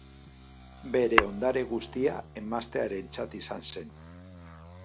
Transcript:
Bere ondare guztia emaztearentzat izan zen.